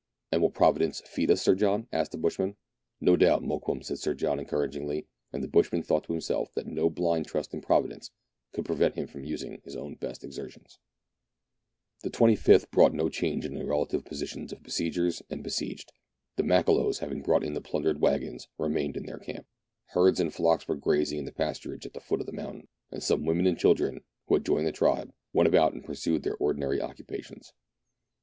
"And will Providence feed us, Sir John.?" asked the bushman. " No doubt, Mokoum," said Sir John encouragingly ; and the bushman thought to himself that no blind trust in Providence should prevent him from using his own best exertions. The 25th brought no change in the relative positions of besiegers and besieged. The Makololos, having brought in the plundered waggons, remained in their camp. Herds and flocks were grazing in the pasturages at the foot of the mountain, and some women and children, who had joined the tribe, went about and pursued their ordinary occu pations.